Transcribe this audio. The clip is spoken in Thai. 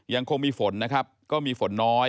ยังคงมีฝนนะครับก็มีฝนน้อย